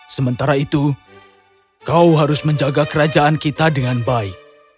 sementara itu kau harus menjaga kerajaan kita dengan baik